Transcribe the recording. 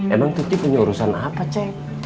emang tuti punya urusan apa cek